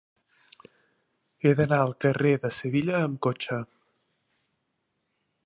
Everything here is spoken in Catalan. He d'anar al carrer de Sevilla amb cotxe.